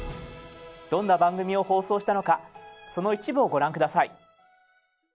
どんな番組を放送したのかその一部をご覧下さい。